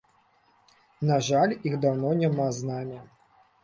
На жаль, іх даўно няма з намі.